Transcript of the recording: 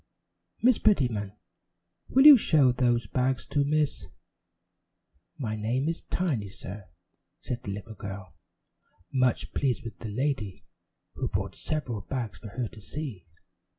Miss Prettyman, will you show those bags to Miss " "My name is Tiny, sir," said the little girl, much pleased with the lady, who brought several bags for her to see.